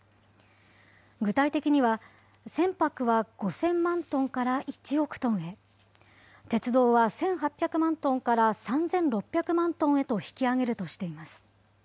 具体的には、船舶は５０００万トンから１億トンへ、鉄道は１８００万トンから３６００万トンへと引き上げるとしています。